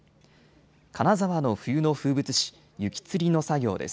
金沢の冬の風物詩、雪吊りの作業です。